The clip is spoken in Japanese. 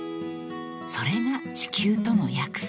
［それが地球との約束］